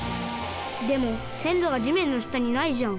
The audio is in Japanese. でもせんろがじめんのしたにないじゃん。